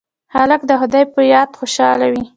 هلک د خدای په یاد خوشحاله وي.